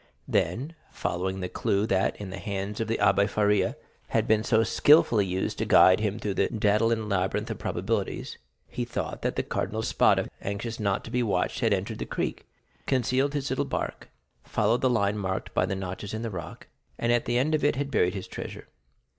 Then following the clew that, in the hands of the Abbé Faria, had been so skilfully used to guide him through the Dædalian labyrinth of probabilities, he thought that the Cardinal Spada, anxious not to be watched, had entered the creek, concealed his little barque, followed the line marked by the notches in the rock, and at the end of it had buried his treasure.